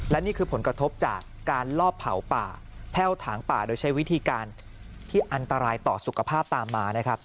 และนี่คือผลกระทบจากการลอบเผาป่าแพ่วถางป่าโดยใช้วิธีการที่อันตรายต่อสุขภาพตามมานะครับ